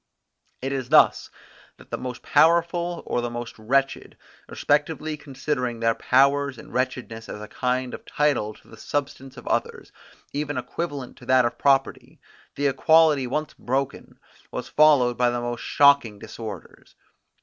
It is thus that the most powerful or the most wretched, respectively considering their power and wretchedness as a kind of title to the substance of others, even equivalent to that of property, the equality once broken was followed by the most shocking disorders.